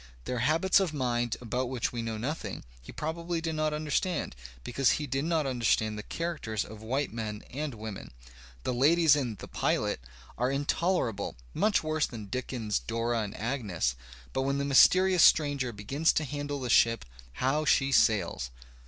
Their habits of mind, about which we know nothing, he probably did not understand, because he did not understand the characters of white men and women. The ladies in "The Pilot" are intolerable, much worse than Dickens's Dora and Agnes. But when the mysterious stranger begins to handle the ship, how she sails!